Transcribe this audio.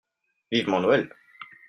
Vivement Noël !